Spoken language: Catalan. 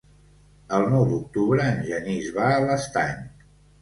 El nou d'octubre en Genís va a l'Estany.